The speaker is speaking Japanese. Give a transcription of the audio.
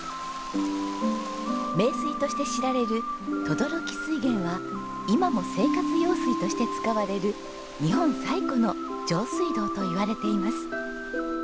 名水として知られる轟水源は今も生活用水として使われる日本最古の上水道と言われています。